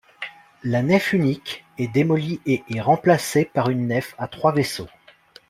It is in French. La nef unique est démolie et est remplacée par une nef à trois vaisseaux.